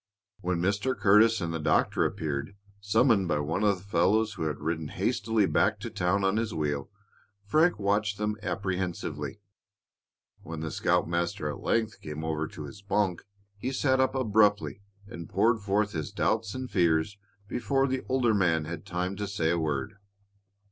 When Mr. Curtis and the doctor appeared, summoned by one of the fellows who had ridden hastily back to town on his wheel, Frank watched them apprehensively. When the scoutmaster at length came over to his bunk he sat up abruptly and poured forth his doubts and fears before the older man had time to say a word.